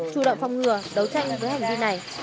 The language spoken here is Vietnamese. chủ động phòng ngừa đấu tranh với hành vi này